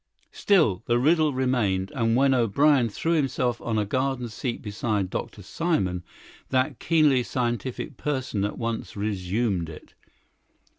Still, the riddle remained; and when O'Brien threw himself on a garden seat beside Dr. Simon, that keenly scientific person at once resumed it.